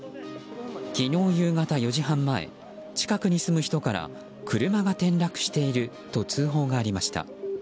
昨日夕方４時半前近くに住む人から車が転落していると通報がありました。